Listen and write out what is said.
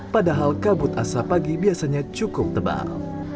padahal kabut asap pagi biasanya cukup tebal